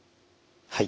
はい。